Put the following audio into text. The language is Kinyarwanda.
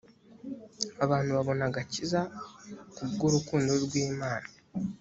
abantu babona agakiza ku bw’urukundo rw’imana